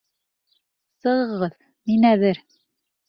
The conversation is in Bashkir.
Сығығыҙ, мин әҙер.